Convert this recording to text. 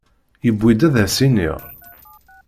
Yewwi-d ad as-iniɣ?